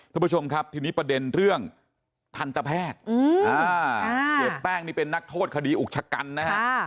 คุณผู้ชมครับทีนี้ประเด็นเรื่องทันตแพทย์เสียแป้งนี่เป็นนักโทษคดีอุกชะกันนะฮะ